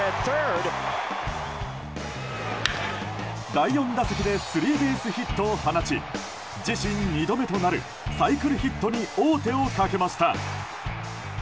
第４打席でスリーベースヒットを放ち自身２度目となるサイクルヒットに王手をかけました。